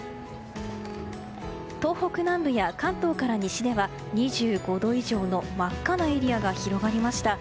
東北南部や関東から西では２５度以上の真っ赤なエリアが広がりました。